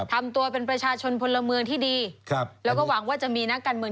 ทำตัวเป็นประชาชนผลเมืองที่ดี